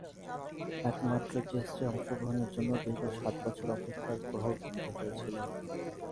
একমাত্র টেস্টে অংশগ্রহণের জন্যে দীর্ঘ সাত বছর অপেক্ষার প্রহর গুণতে হয়েছিল।